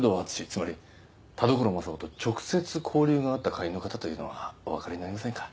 つまり田所柾雄と直接交流のあった会員の方というのはおわかりになりませんか？